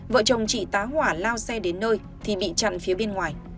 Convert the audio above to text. vợ chồng chị tá hỏa lao xe đến nơi thì bị chặn phía bên ngoài